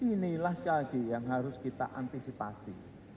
inilah sekali lagi yang harus kita antisipasi